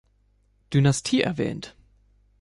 Dynastie erwähnt.